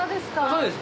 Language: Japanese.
そうです。